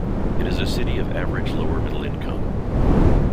It is a city of average, lower middle income.